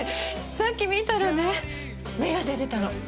さっき見たらね芽が出てたの。